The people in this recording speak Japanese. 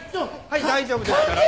はい大丈夫ですから。